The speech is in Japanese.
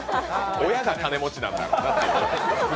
親が金持ちなんだろうなという。